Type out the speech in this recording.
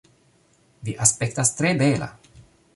Vi aspektas tre bela